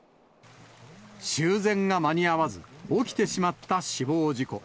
修繕が間に合わず、起きてしまった死亡事故。